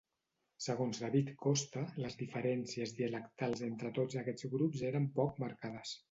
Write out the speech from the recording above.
Segons David Costa, les diferències dialectals entre tots aquests grups eren poc marcades.